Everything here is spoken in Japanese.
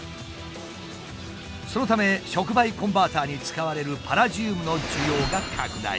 そのため触媒コンバーターに使われるパラジウムの需要が拡大。